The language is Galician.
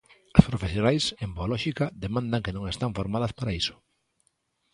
As profesionais, en boa lóxica, demandan que non están formadas para iso.